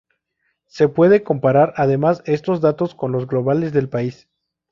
Se puede comparar además estos datos con los globales del país.